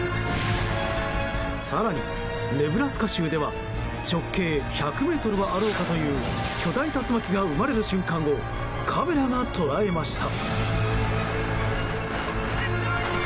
更に、ネブラスカ州では直径１００ｍはあろうかという巨大竜巻が生まれる瞬間をカメラが捉えました。